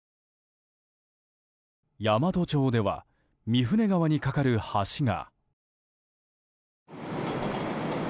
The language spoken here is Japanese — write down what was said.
山都町では三船川に架かる橋が。